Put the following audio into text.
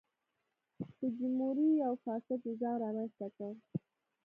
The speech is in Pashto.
فوجیموري یو فاسد نظام رامنځته کړ.